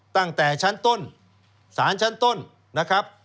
ตั้งแต่ชั้นต้นสารชั้นต้นนะครับ